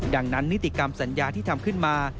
ดังนั้นนิติกรรมสัญญาที่ทำขึ้นมา